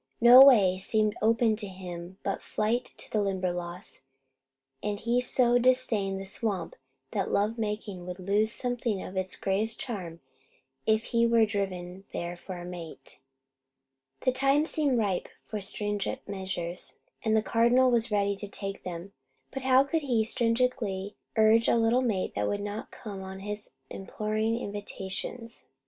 No way seemed open to him but flight to the Limberlost, and he so disdained the swamp that love making would lose something of its greatest charm if he were driven there for a mate. The time seemed ripe for stringent measures, and the Cardinal was ready to take them; but how could he stringently urge a little mate that would not come on his imploring invitations?